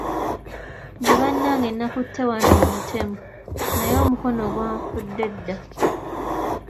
Nze bannange nakutte wano omutemu, naye omukono gwanfudde dda.